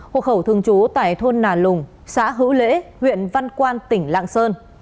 hội hậu thường trú tại thôn nà lùng xã hữu lễ huyện văn quan tỉnh lạng sơn